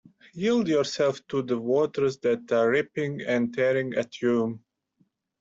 Yield yourself to the waters that are ripping and tearing at you.